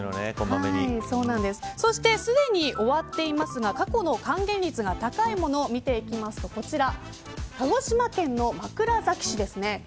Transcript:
そして、すでに終わっていますが過去の還元率が高いものを見ていきますと、こちら。